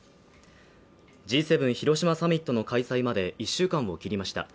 Ｇ７広島サミットの開催まで１週間を切りました。